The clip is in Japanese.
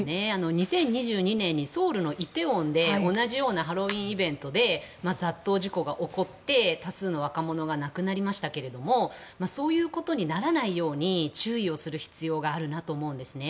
２０２２年にソウルの梨泰院で、同じようなハロウィーンイベントで雑踏事故が起こって多数の若者が亡くなりましたがそういうことにならないように注意をする必要があるなと思うんですね。